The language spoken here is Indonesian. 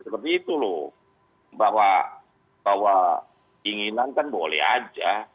begitu loh bahwa inginan kan boleh saja